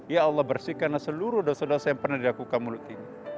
ya allah bersihkanlah seluruh dosa dosa yang pernah dilakukan mulut ini